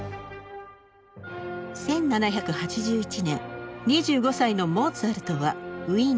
１７８１年２５歳のモーツァルトはウィーンに移住し独立。